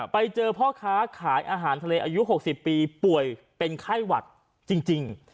ไปเจอพ่อค้าขายอาหารทะเลอายุ๖๐ปีป่วยเป็นไข้หวัดจริง